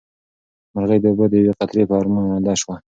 مرغۍ د اوبو د یوې قطرې په ارمان ړنده شوه.